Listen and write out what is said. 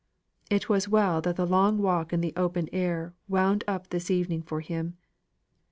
It was well that the long walk in the open air wound up this evening for him.